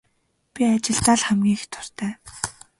Би ажилдаа л хамгийн их дуртай.